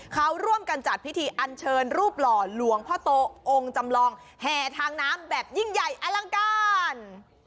เขาร่วมกันจัดพิธีอันเชิญรูปหล่อหลวงพ่อโตองค์จำลองแห่ทางน้ำแบบยิ่งใหญ่อลังการ